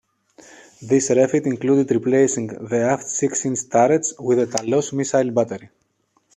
This refit included replacing the aft six-inch turrets with a Talos missile battery.